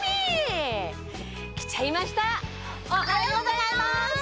おはようございます。